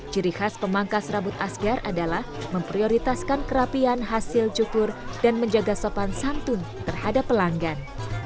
ciri khas pemangkas rambut asgar adalah memprioritaskan kerapian hasil cukur dan menjaga sopan santun terhadap pelanggan